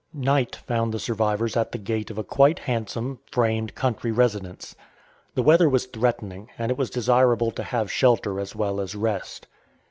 Night found the survivors at the gate of a quite handsome, framed, country residence. The weather was threatening, and it was desirable to have shelter as well as rest.